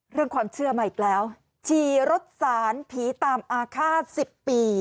เรื่องความเชื่อมาอีกแล้วฉี่รถสารผีตามอาฆาตสิบปี